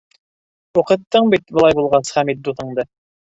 Уҡыттың бит, былай булғас, Хәмит дуҫыңды.